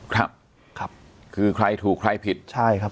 ครับครับคือใครถูกใครผิดใช่ครับ